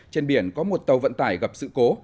trên biển có một tàu vận tải gặp sự cố